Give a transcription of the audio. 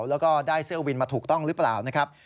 แล้วก็ได้เสื้อวินมาถูกต้องหรือเปล่านะครับ